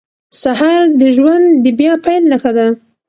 سهار د ژوند د بیا پیل نښه ده.